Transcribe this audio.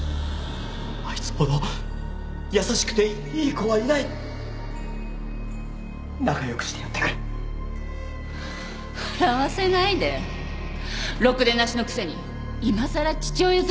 あいつほど優しくていい子はいない仲よくしてやってくれ笑わせないでろくでなしのくせにいまさら父親面し